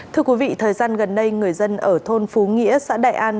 thưa quý vị thời gian gần đây người dân ở thôn phú nghĩa xã đại an